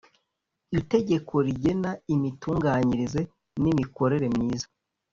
itegeko rigena imitunganyirize n imikorere myiza